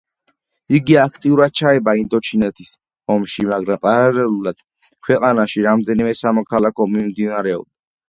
იგი აქტიურად ჩაება ინდოჩინეთის ომში, მაგრამ პარალელურად ქვეყანაში რამდენიმე სამოქალაქო ომი მიმდინარეობდა.